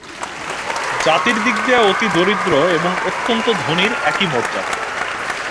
জাতির দিক দিয়া অতি দরিদ্র এবং অত্যন্ত ধনীর একই মর্যাদা।